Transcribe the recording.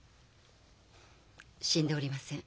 死んでおりません。